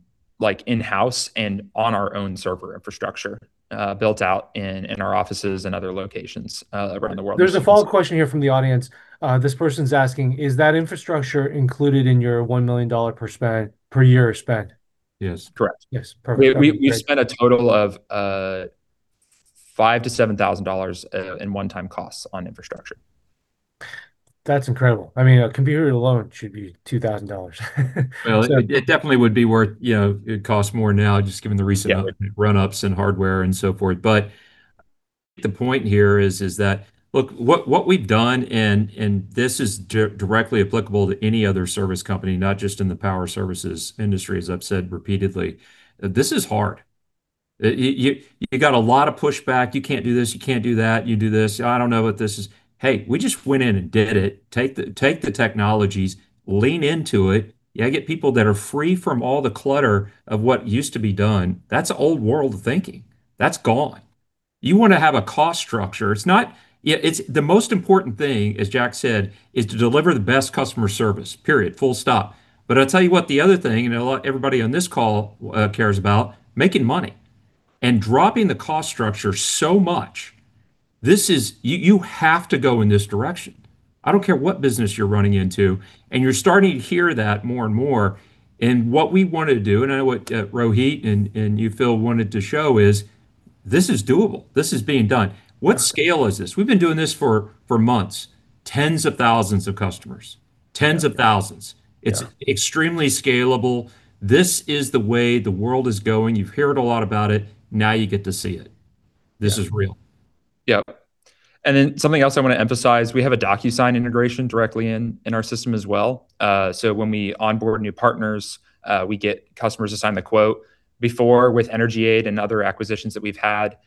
in-house and on our own server infrastructure, built out in our offices and other locations around the world. There's a follow-up question here from the audience. This person's asking, "Is that infrastructure included in your $1 million per year spend?" Yes. Correct. Yes. Perfect. We spent a total of $5,000-$7,000 in one-time costs on infrastructure. That's incredible. A computer alone should be $2,000. It costs more now. Yeah run-ups in hardware and so forth. The point here is that, look, what we've done, and this is directly applicable to any other service company, not just in the power services industry, as I've said repeatedly, this is hard. You got a lot of pushbacks. "You can't do this. You can't do that. You do this. I don't know what this is." Hey, we just went in and did it. Take the technologies, lean into it. You get people that are free from all the clutter of what used to be done. That's old-world thinking. That's gone. You want to have a cost structure. The most important thing, as Jack said, is to deliver the best customer service, period. Full stop. I'll tell you what the other thing, and everybody on this call cares about making money and dropping the cost structure so much. You have to go in this direction. I don't care what business you're running into, and you're starting to hear that more and more. What we want to do, and I know what Rohit and you, Phil, wanted to show is this is doable. This is being done. What scale is this? We've been doing this for months. Tens of thousands of customers. Tens of thousands. It's extremely scalable. This is the way the world is going. You've heard a lot about it. Now you get to see it. This is real. Yep. Something else I want to emphasize; we have a DocuSign integration directly in our system as well. When we onboard new partners, we get customers to sign the quote. Before, with EnergyAid and other acquisitions that we've had,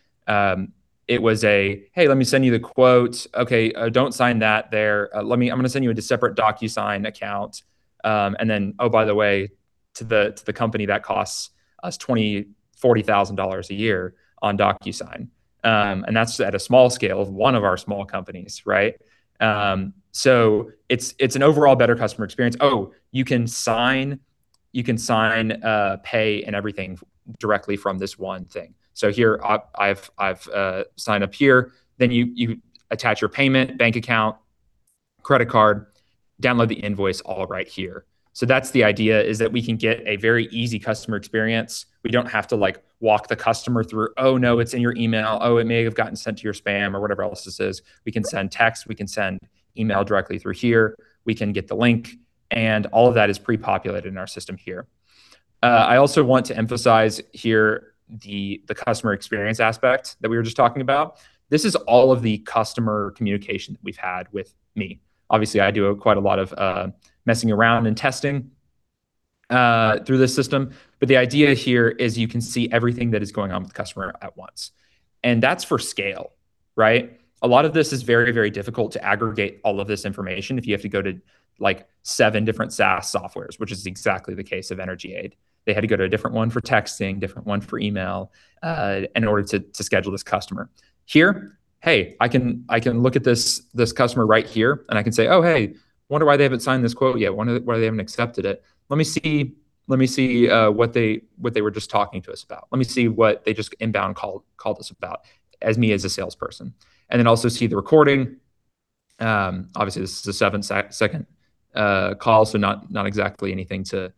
it was a, "Hey, let me send you the quote. Okay, don't sign that there. I'm going to send you a separate DocuSign account." Oh, by the way, to the company, that costs us $20,000, $40,000 a year on DocuSign. That's at a small scale of one of our small companies, right? It's an overall better customer experience. Oh, you can sign, pay, and everything directly from this one thing. Here, I've signed up here. You attach your payment, bank account, credit card, download the invoice, all right here. That's the idea, is that we can get a very easy customer experience. We don't have to walk the customer through, "Oh, no, it's in your email. Oh, it may have gotten sent to your spam," or whatever else this is. We can send texts, we can send email directly through here, we can get the link, and all of that is pre-populated in our system here. I also want to emphasize here the customer experience aspect that we were just talking about. This is all of the customer communication that we've had with me. Obviously, I do quite a lot of messing around and testing through the system, but the idea here is you can see everything that is going on with the customer at once. That's for scale, right? A lot of this is very difficult to aggregate all of this information if you have to go to seven different SaaS softwares, which is exactly the case of EnergyAid. They had to go to a different one for texting, different one for email, in order to schedule this customer. Here, hey, I can look at this customer right here, and I can say, "Oh, hey, wonder why they haven't signed this quote yet. Wonder why they haven't accepted it. Let me see what they were just talking to us about. Let me see what they just inbound called us about," as me as a salesperson. Also see the recording. Obviously, this is a seven-second call, so not exactly anything to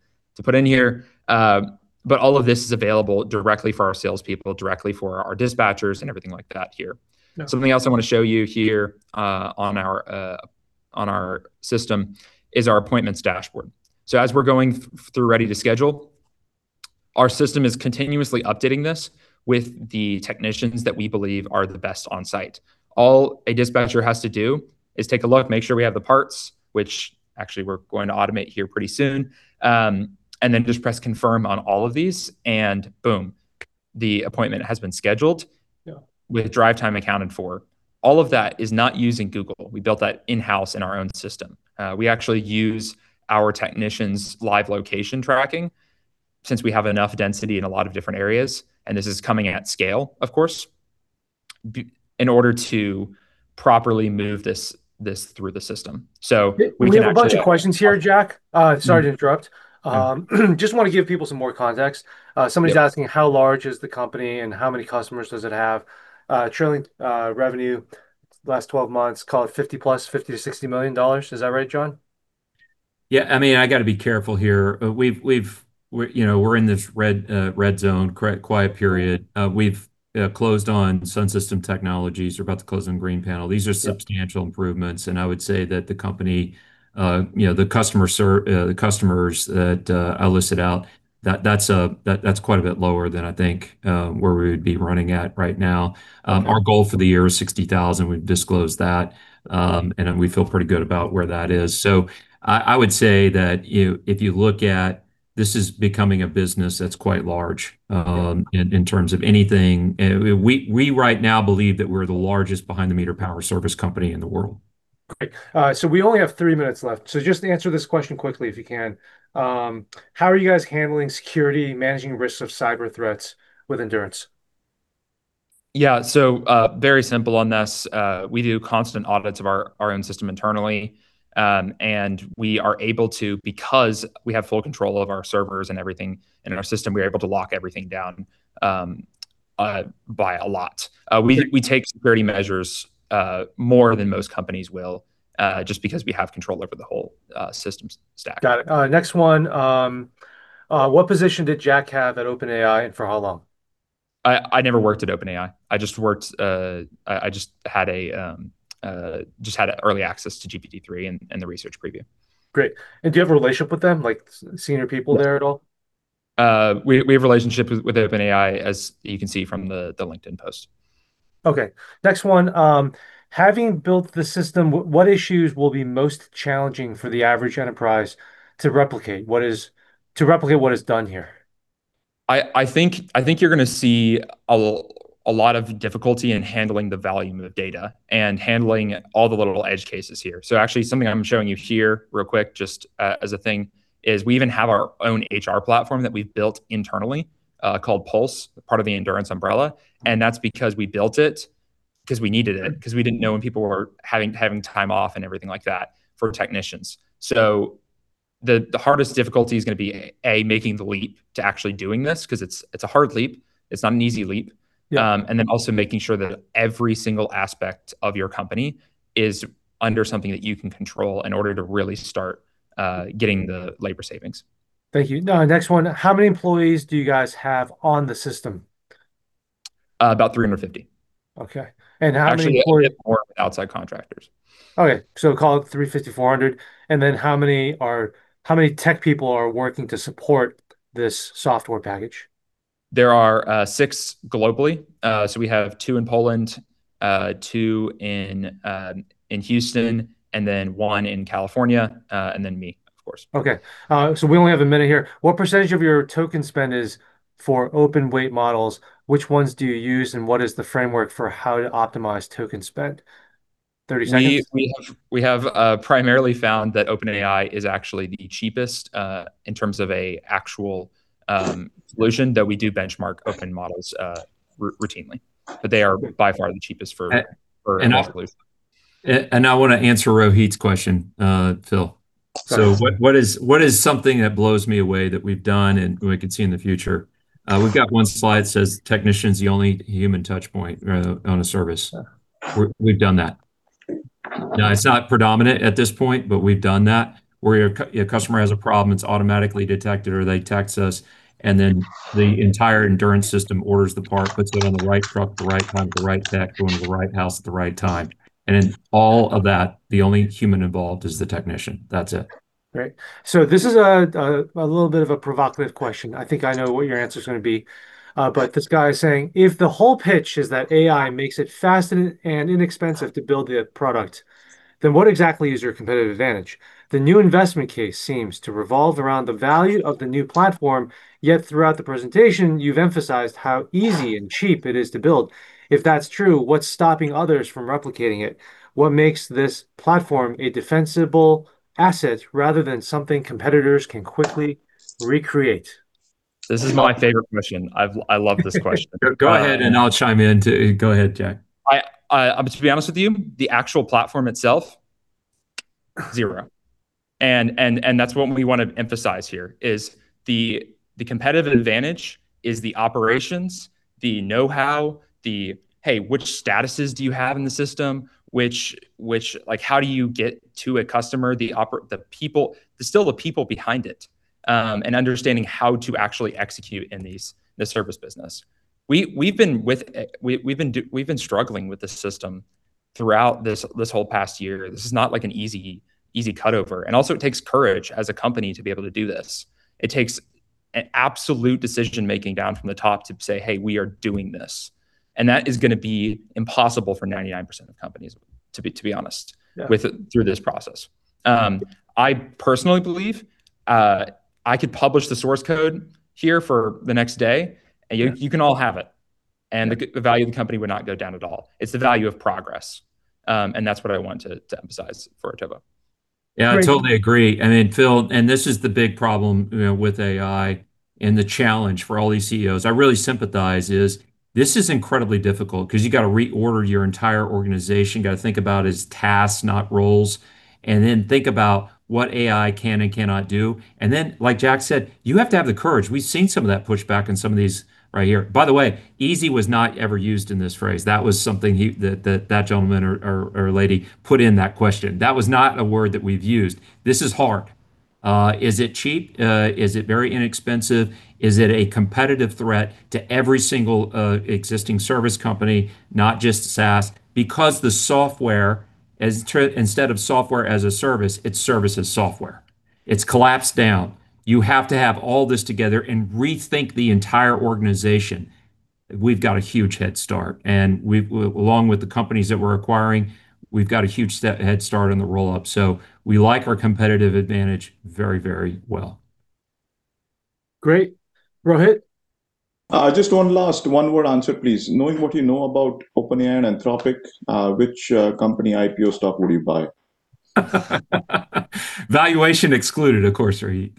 put in here. All of this is available directly for our salespeople, directly for our dispatchers, and everything like that here. Yeah. Something else I want to show you here on our system is our appointments dashboard. As we're going through Ready to Schedule, our system is continuously updating this with the technicians that we believe are the best on-site. All a dispatcher has to do is take a look, make sure we have the parts, which actually we're going to automate here pretty soon, and then just press confirm on all of these, and boom, the appointment has been scheduled. Yeah With drive time accounted for. All of that is not using Google. We built that in-house in our own system. We actually use our technicians' live location tracking, since we have enough density in a lot of different areas, and this is coming at scale, of course, in order to properly move this through the system. We can actually. We have a bunch of questions here, Jack. Sorry to interrupt. No. Just want to give people some more context. Yeah. Somebody's asking, how large is the company and how many customers does it have? Trailing revenue last 12 months, call it 50+, $50 million-$60 million. Is that right, John? I got to be careful here. We're in this red zone, quiet period. We've closed on SunSystem Technology. We're about to close on Green Panel. These are substantial improvements. I would say that the company, the customers that I listed out, that's quite a bit lower than I think where we would be running at right now. Our goal for the year is 60,000. We've disclosed that. We feel pretty good about where that is. I would say that if you look at this is becoming a business that's quite large in terms of anything. We right now believe that we're the largest behind-the-meter power service company in the world. Great. We only have three minutes left. Just answer this question quickly if you can. How are you guys handling security, managing risks of cyber threats with Endurance? Very simple on this. We do constant audits of our own system internally. We are able to, because we have full control of our servers and everything in our system, we're able to lock everything down by a lot. We take security measures more than most companies will, just because we have control over the whole systems stack. Got it. Next one. What position did Jack have at OpenAI, and for how long? I never worked at OpenAI. I just had early access to GPT-3 and the research preview. Great. Do you have a relationship with them, like senior people there at all? We have a relationship with OpenAI, as you can see from the LinkedIn post. Okay. Next one. Having built the system, what issues will be most challenging for the average enterprise to replicate what is done here? I think you're going to see a lot of difficulty in handling the volume of data and handling all the little edge cases here. Actually, something I'm showing you here real quick, just as a thing, is we even have our own HR platform that we've built internally, called Pulse, part of the Endurance umbrella. That's because we built it because we needed it, because we didn't know when people were having time off and everything like that for technicians. The hardest difficulty is going to be, A, making the leap to actually doing this, because it's a hard leap. It's not an easy leap. Yeah. Also making sure that every single aspect of your company is under something that you can control in order to really start getting the labor savings. Thank you. Next one. How many employees do you guys have on the system? About 350. Okay. How many- Actually, a little bit more with outside contractors. Okay. Call it 350, 400. Then how many tech people are working to support this software package? There are six globally. We have two in Poland, two in Houston, and then one in California, and then me, of course. Okay. We only have a minute here. What % of your token spend is for open-weight models? Which ones do you use, and what is the framework for how to optimize token spend? 30 seconds. We have primarily found that OpenAI is actually the cheapest in terms of a actual solution, though we do benchmark open models routinely. I want to answer Rohit's question, Phil. Sorry. What is something that blows me away that we've done, and we can see in the future? We've got one slide says, "Technician's the only human touch point on a service." We've done that. Now, it's not predominant at this point, but we've done that, where a customer has a problem, it's automatically detected, or they text us, then the entire Endurance system orders the part, puts it on the right truck at the right time with the right tech going to the right house at the right time. In all of that, the only human involved is the technician. That's it. Great. This is a little bit of a provocative question. I think I know what your answer's going to be. This guy is saying, "If the whole pitch is that AI makes it fast and inexpensive to build the product, then what exactly is your competitive advantage? The new investment case seems to revolve around the value of the new platform, yet throughout the presentation you've emphasized how easy and cheap it is to build. If that's true, what's stopping others from replicating it? What makes this platform a defensible asset rather than something competitors can quickly recreate? This is my favorite question. I love this question. Go ahead, I'll chime in too. Go ahead, Jack. To be honest with you, the actual platform itself, zero. That's what we want to emphasize here, is the competitive advantage is the operations, the know-how, the, hey, which statuses do you have in the system? How do you get to a customer? It's still the people behind it and understanding how to actually execute in this service business. We've been struggling with this system throughout this whole past year. This is not an easy cut-over. It takes courage as a company to be able to do this. It takes an absolute decision-making down from the top to say, "Hey, we are doing this." That is going to be impossible for 99% of companies, to be honest. Yeah through this process. I personally believe I could publish the source code here for the next day, and you can all have it, and the value of the company would not go down at all. It's the value of progress. That's what I want to emphasize for Otovo. Great. Yeah, I totally agree. This is the big problem with AI, and the challenge for all these CEOs, I really sympathize is, this is incredibly difficult because you got to reorder your entire organization. You have to think about is tasks, not roles. Think about what AI can and cannot do. Like Jack said, you have to have the courage. We've seen some of that pushback in some of these right here. By the way, easy was not ever used in this phrase. That was something that that gentleman or lady put in that question. That was not a word that we've used. This is hard. Is it cheap? Is it very inexpensive? Is it a competitive threat to every single existing service company, not just SaaS? Because instead of software as a service, it's service as software. It's collapsed down. You have to have all this together and rethink the entire organization. We've got a huge head start, and along with the companies that we're acquiring, we've got a huge head start on the roll-up. We like our competitive advantage very, very well. Great. Rohit? Just one last one-word answer, please. Knowing what you know about OpenAI and Anthropic, which company IPO stock would you buy? Valuation excluded, of course, Rohit.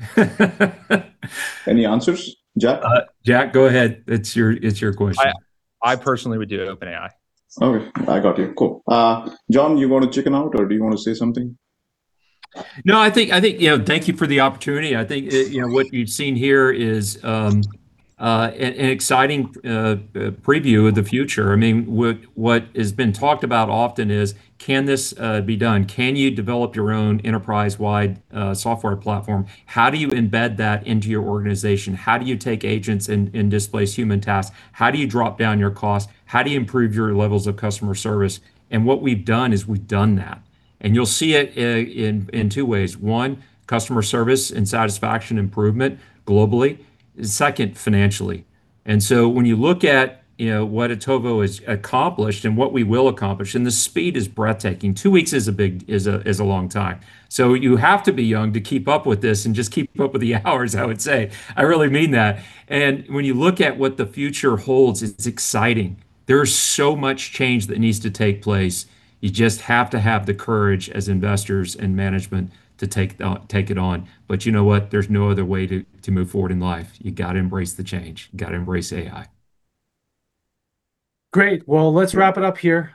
Any answers? Jack? Jack, go ahead. It's your question. I personally would do OpenAI. Okay. I got you. Cool. John, you want to chicken out, or do you want to say something? No, thank you for the opportunity. I think what you've seen here is an exciting preview of the future. What has been talked about often is, can this be done? Can you develop your own enterprise-wide software platform? How do you embed that into your organization? How do you take agents and displace human tasks? How do you drop down your cost? How do you improve your levels of customer service? What we've done is we've done that. You'll see it in two ways. One, customer service and satisfaction improvement globally. Second, financially. When you look at what Otovo has accomplished and what we will accomplish, the speed is breathtaking. Two weeks is a long time. You have to be young to keep up with this and just keep up with the hours, I would say. I really mean that. When you look at what the future holds, it's exciting. There's so much change that needs to take place. You just have to have the courage as investors and management to take it on. You know what? There's no other way to move forward in life. You got to embrace the change. You got to embrace AI. Great. Well, let's wrap it up here.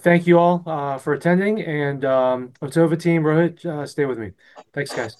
Thank you all for attending. Otovo team, Rohit, stay with me. Thanks, guys.